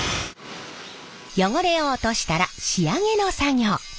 汚れを落としたら仕上げの作業。